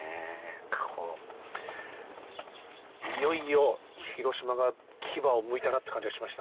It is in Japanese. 何かこう「いよいよ広島が牙をむいたな」って感じがしましたね。